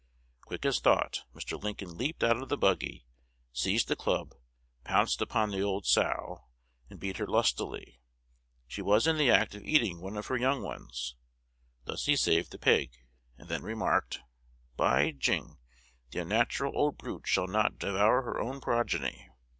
Quick as thought Mr. Lincoln leaped out of the buggy, seized a club, pounced upon the old sow, and beat her lustily: she was in the act of eating one of her young ones. Thus he saved the pig, and then remarked, 'By jing! the unnatural old brute shall not devour her own progeny!'